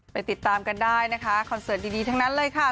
ติดตามกันได้นะคะคอนเสิร์ตดีทั้งนั้นเลยค่ะ